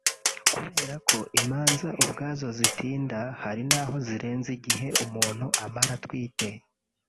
kubera ko imanza ubwazo zitinda hari naho zirenza igihe umuntu amara atwite